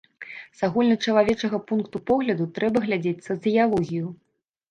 З агульначалавечага пункту погляду, трэба глядзець сацыялогію.